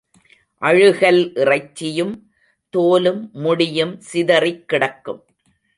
அழுகல் இறைச்சியும் தோலும் முடியும் சிதறிக் கிடக்கும்.